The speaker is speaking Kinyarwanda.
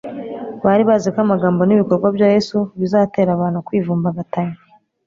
Bari bazi ko amagambo n'ibikorwa bya Yesu bizatera abantu kwivumbagatanya.